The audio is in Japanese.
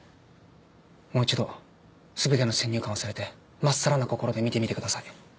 もう一度全ての先入観を忘れて真っさらな心で見てみてください。